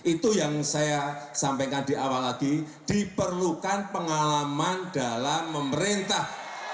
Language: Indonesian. itu yang saya sampaikan di awal lagi diperlukan pengalaman dalam memerintah